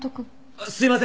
あっすいません